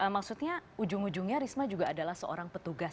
maksudnya ujung ujungnya risma juga adalah seorang petugas